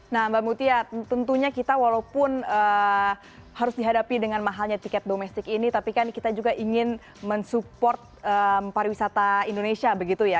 nah mbak mutia tentunya kita walaupun harus dihadapi dengan mahalnya tiket domestik ini tapi kan kita juga ingin mensupport pariwisata indonesia begitu ya